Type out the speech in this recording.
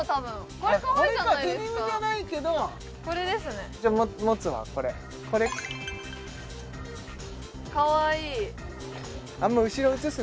これかデニムじゃないけどこれですねじゃあ持つわこれかわいい！